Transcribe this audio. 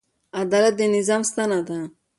عدالت د نظام ستنه ده.